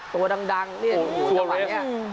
ตัวดังนี่อยู่ตรงวันนี้